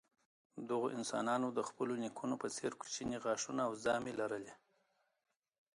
دغو انسانانو د خپلو نیکونو په څېر کوچني غاښونه او ژامې لرلې.